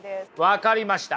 分かりました。